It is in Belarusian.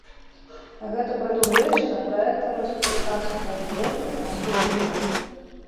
Гэта прадугледжана праектам рэспубліканскага бюджэту на наступны год.